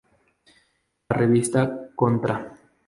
La revista "Contra.